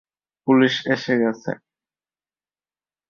Police এসে গেছে!